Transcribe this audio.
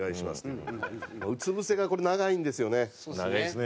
うつぶせが、これ長いんですよね。